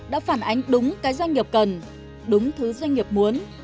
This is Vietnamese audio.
đã phản ánh đúng cái doanh nghiệp cần đúng thứ doanh nghiệp muốn